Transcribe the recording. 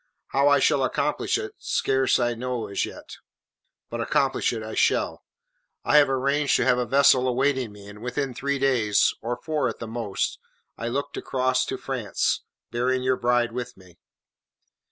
How I shall accomplish it I scarce know as yet; but accomplish it I shall. I have arranged to have a vessel awaiting me, and within three days or four at the most I look to cross to France, bearing your bride with me."